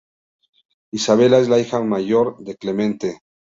Isabela es la hija mayor de Clemente.